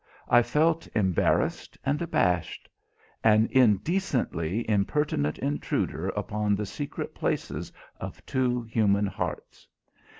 I felt embarrassed and abashed; an indecently impertinent intruder upon the secret places of two human hearts.